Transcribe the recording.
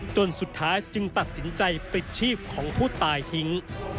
จนสุดท้ายจึงตัดสินใจปิดชีพของผู้ตายทิ้ง